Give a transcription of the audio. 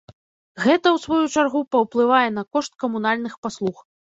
Гэта, у сваю чаргу, паўплывае на кошт камунальных паслуг.